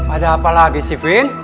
ada apa lagi sih vin